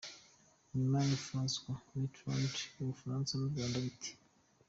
Nyuma ya François Mitterand, u Bufaransa n’u Rwanda bite?.